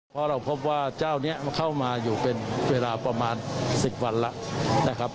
เพราะเราพบว่าเจ้านี้เข้ามาอยู่เป็นเวลาประมาณ๑๐วันแล้วนะครับ